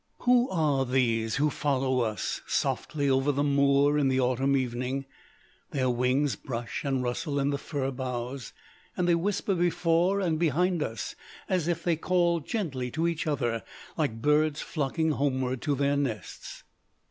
"Who are these who follow us softly over the moor in the autumn evening? Their wings brush and rustle in the fir boughs, and they whisper before and behind us, as if they called gently to each other, like birds flocking homeward to their nests.